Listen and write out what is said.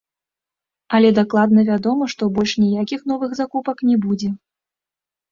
Але дакладна вядома, што больш ніякіх новых закупак не будзе.